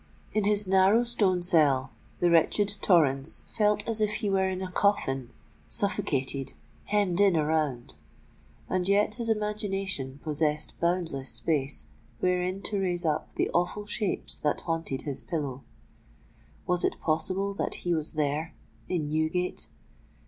In his narrow stone cell, the wretched Torrens felt as if he were in a coffin, suffocated, hemmed in around;—and yet his imagination possessed boundless space wherein to raise up the awful shapes that haunted his pillow. Was it possible that he was there—in Newgate?